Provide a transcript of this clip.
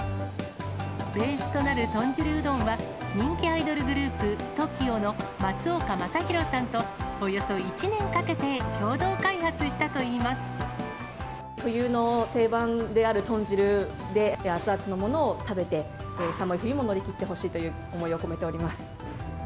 ベースとなる豚汁うどんは、人気アイドルグループ、ＴＯＫＩＯの松岡昌宏さんとおよそ１年かけて共同開発したといい冬の定番である豚汁で、熱々のものを食べて、寒い冬を乗り切ってほしいという思いを込めております。